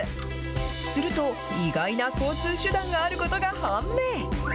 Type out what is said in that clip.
すると、意外な交通手段があることが判明。